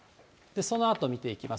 そのあと見ていきます。